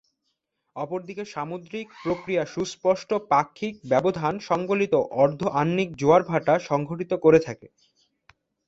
অপরদিকে, সামুদ্রিক প্রক্রিয়া সুস্পষ্ট পাক্ষিক ব্যবধান সংবলিত অর্ধ-আহ্নিক জোয়ার-ভাটা সংঘটিত করে থাকে।